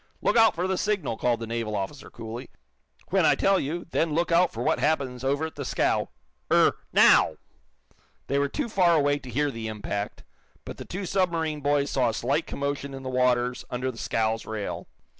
"Look out for the signal," called the naval officer, coolly. "When I tell you, then look out for what happens over at the scow. Er now!" They were too far away to hear the impact, but the two submarine boys saw a slight commotion in the waters under the scow's rail.